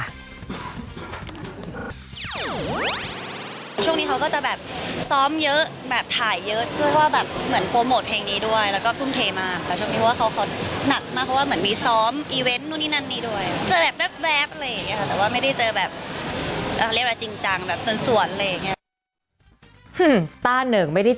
ฮึต้านเหนิงไม่ได้เจอ